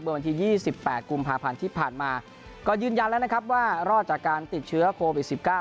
เมื่อวันที่ยี่สิบแปดกลุ่มภาพันธ์ที่ผ่านมาก็ยืนยันแล้วนะครับว่ารอดจากการติดเชื้อโควิดสิบเก้า